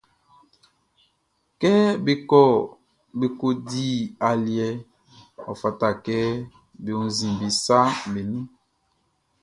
Kɛ be ko di aliɛʼn, ɔ fata kɛ be wunnzin be saʼm be nun.